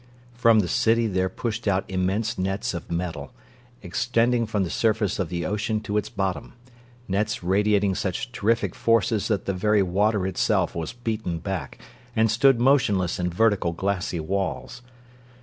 From the city there pushed out immense nets of metal, extending from the surface of the ocean to its bottom; nets radiating such terrific forces that the very water itself was beaten back and stood motionless in vertical, glassy walls.